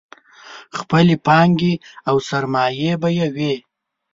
خپلې پانګې او سرمایې به یې وې.